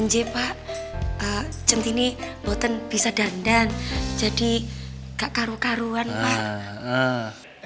njepa cintini buatan bisa dandan jadi gak karu karuan pak